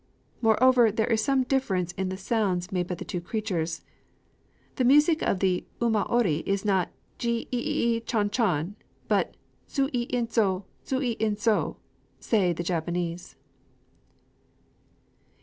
Moreover, there is some difference in the sounds made by the two creatures. The music of the umaoi is not "ji ï ï ï, chon chon," but, "zu ï in tzō! zu ï in tzō!" say the Japanese.